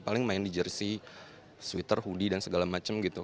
paling main di jersey sweater hoodie dan segala macem gitu